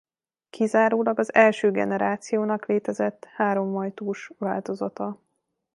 Kizárólag az első generációnak létezett háromajtós változata.